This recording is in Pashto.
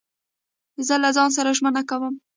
زه له ځان سره ژمنه کوم.